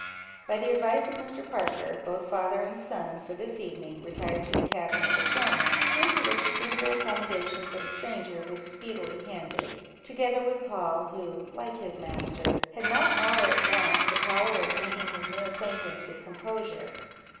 By the advice of Mr. Parker, both father and son, for this evening, retired to the cabin of the former, into which suitable accommodation for the stranger was speedily handed, together with Poll, who, like his master, had not all at once the power of meeting his new acquaintance with composure.